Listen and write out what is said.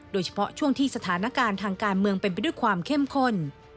โดยเฉพาะช่วงที่สถานการณ์ทางการเมืองเป็นไปด้วยความเข้มข้น